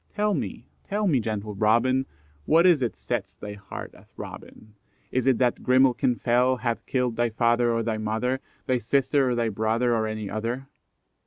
"Tell me, tell me, gentle Robin, What is it sets thy heart a throbbing? Is it that Grimalkin fell Hath killed thy father or thy mother, Thy sister or thy brother, Or any other?